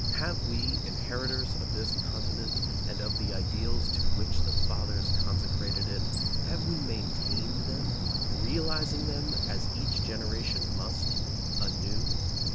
Have we, inheritors of this continent and of the ideals to which the fathers consecrated it, have we maintained them, realizing them, as each generation must, anew?